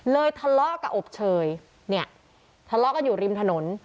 ทะเลาะกับอบเชยเนี่ยทะเลาะกันอยู่ริมถนน